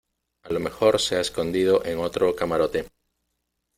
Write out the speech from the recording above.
a lo mejor se ha escondido en otro camarote.